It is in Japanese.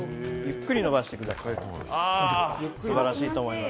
素晴らしいと思います。